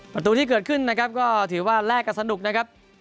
ประตูที่เกิดขึ้นนะครับก็ถือว่าแลกกันสนุกนะครับ